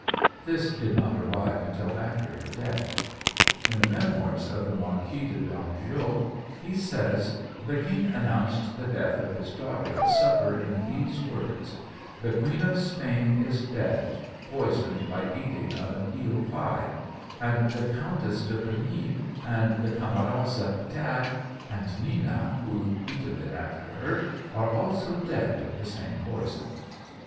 This did not arrive until after her death. In the memoirs of the Marquis de Dangeau, he says: "The king announced the death of his daughter at supper in these words 'The Queen of Spain is dead, poisoned by eating of an eel pye; and the Countess de Pernits and the Cameras, Zapeita, and Nina, who eat of it after her, are also dead of the same poison.'"